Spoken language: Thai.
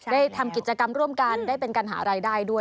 ได้ทำกิจกรรมร่วมกันได้เป็นการหารายได้ด้วย